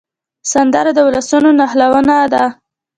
سندره د ولسونو نښلونه ده